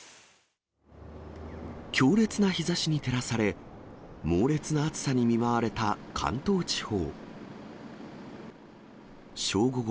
強烈な日ざしに照らされ、猛烈な暑さに見舞われた関東地方。